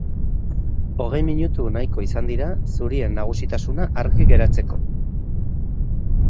Hogei minutu nahiko izan dira zurien nagusitasuna argi geratzeko.